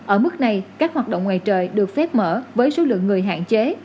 ở mức này các hoạt động ngoài trời được phép mở với số lượng người hạn chế